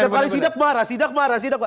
setiap kali sidak marah sidak marah sidak